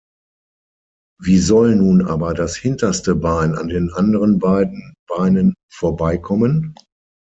Wie soll nun aber das hinterste Bein an den anderen beiden Beinen vorbeikommen?